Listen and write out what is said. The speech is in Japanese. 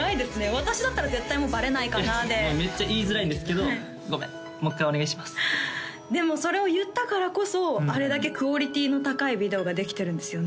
私だったら絶対「バレないかな」でめっちゃ言いづらいんですけど「ごめんもう一回お願いします」でもそれを言ったからこそあれだけクオリティーの高いビデオができてるんですよね